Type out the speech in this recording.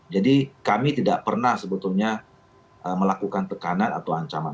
jadi kami tidak pernah sebetulnya melakukan tekanan atau ancaman